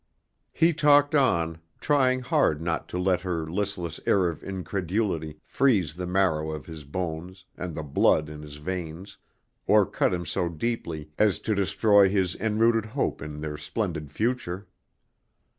He talked on, trying hard not to let her listless air of incredulity freeze the marrow of his bones and the blood in his veins, or cut him so deeply as to destroy his enrooted hope in their splendid future.